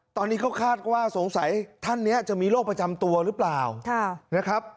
ตอนนี้เขาคาดว่าสงสัยท่านนี้จะมีโรคประจำตัวหรือเปล่านะครับ